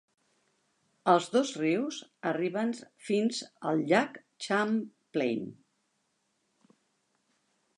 Els dos rius arriben fins al llac Champlain.